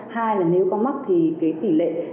hai là nếu có mắc thì cái tỷ lệ